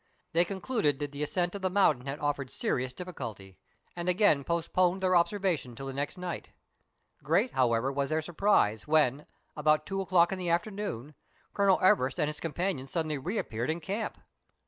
They con cluded that the ascent of the mountain had offered serious difficulty, and again postponed their observations till the next night. Great, however, was their surprise, when, about two o'clock in the afternoon, Colonel Everest and his companions suddenly reappeared in camp.